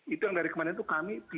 itu yang dari kemarin itu kami